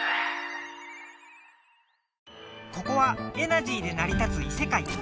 ここはエナジーでなり立ついせかい。